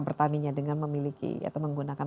bertaninya dengan memiliki atau menggunakan